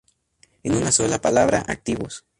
En una sola palabra, activos.